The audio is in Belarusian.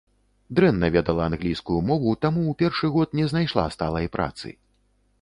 Дрэнна ведала англійскую мову, таму ў першы год не знайшла сталай працы.